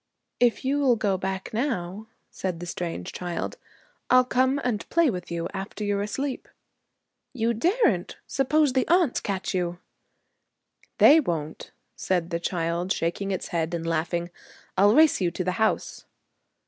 'If you'll go back now,' said the strange child, 'I'll come and play with you after you're asleep.' 'You daren't. Suppose the aunts catch you?' 'They won't,' said the child, shaking its head and laughing. 'I'll race you to the house!'